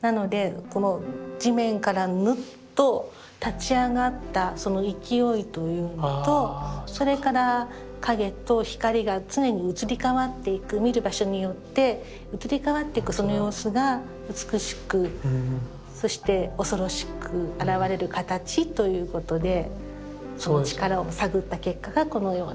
なのでこの地面からヌッと立ち上がったその勢いというのとそれから影と光が常に移り変わっていく見る場所によって移り変わってくその様子が美しくそして恐ろしく現れる形ということでその力を探った結果がこのような姿になりました。